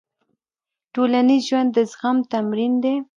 ټولنیز ژوند د زغم تمرین دی.